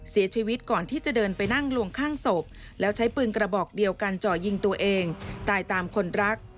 เสียชีวิตก่อนที่จะเดินไปนั่งลวงข้างศพแล้วใช้ปืนกระบอกเดียวกันเจาะยิงตัวเองตายตามคนรัก